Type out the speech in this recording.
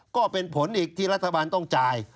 ก็เป็นผลอีกที่รัฐบาลต้องจ่าย